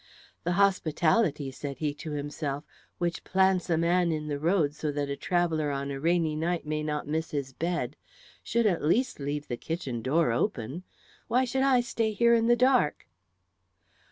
"The hospitality," said he to himself, "which plants a man in the road so that a traveller on a rainy night may not miss his bed should at least leave the kitchen door open. Why should I stay here in the dark?"